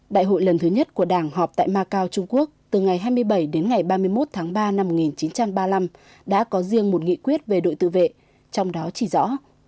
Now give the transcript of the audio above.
đại hội lần thứ nhất của đảng họp tại macau trung quốc từ ngày hai mươi bảy đến ngày ba mươi một tháng ba năm một nghìn chín trăm ba mươi năm đã có riêng một nghị quyết về đội tự vệ trong đó chỉ rõ